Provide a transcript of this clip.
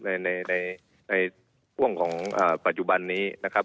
ในในห่วงของปัจจุบันนี้นะครับ